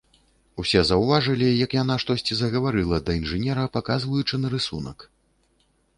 Усе заўважылі, як яна штосьці загаварыла да інжынера, паказваючы на рысунак.